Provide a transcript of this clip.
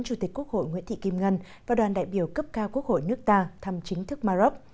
chủ tịch quốc hội nguyễn thị kim ngân và đoàn đại biểu cấp cao quốc hội nước ta thăm chính thức maroc